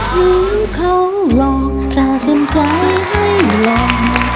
หื้มเขาหลอกแต่เป็นใจให้ร้อง